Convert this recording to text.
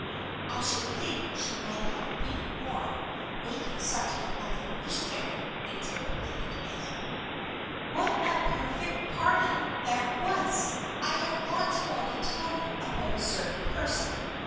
(" I should think she might have been warm, making such awful mischief," interpolated Anne.) " What a perfect party that was ! I have lots more to tell you about a certain person.